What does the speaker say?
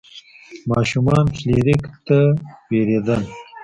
ماشومان فلیریک ته ویرېدل.